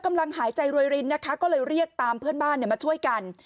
หายใจรวยรินนะคะก็เลยเรียกตามเพื่อนบ้านมาช่วยกัน